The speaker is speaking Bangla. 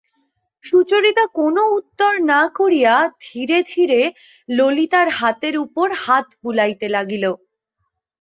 সুচরিতা কোনো উত্তর না করিয়া ধীরে ধীরে ললিতার হাতের উপর হাত বুলাইতে লাগিল।